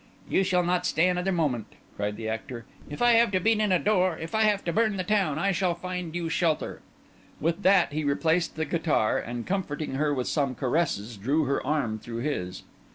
"You shall not stay another moment," cried the actor. "If I have to beat in a door, if I have to burn the town, I shall find you shelter." With that he replaced the guitar, and comforting her with some caresses, drew her arm through his.